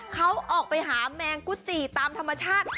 เขาออกไปหาแมงกุจีตามธรรมชาติ